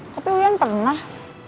tapi uyan pernah